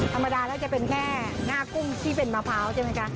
ธรรมดาแล้วจะเป็นแค่หน้ากุ้งที่เป็นมะพร้าวใช่ไหมคะ